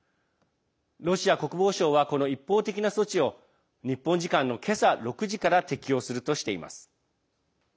ロシア国防省はこの一方的な措置を日本時間の今朝６時から適用するとしています。